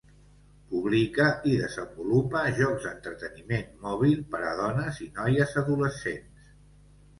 Publica i desenvolupa jocs d'entreteniment mòbil per a dones i noies adolescents.